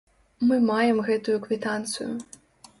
Мы маем гэтую квітанцыю.